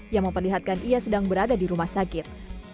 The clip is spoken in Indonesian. yang memperlihatkan ia sedang berada di rumah sakit